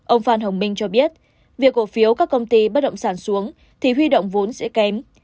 ông phan hồng minh cho biết việc cổ phiếu các công ty bất động sản xuống thì huy động vốn sẽ kém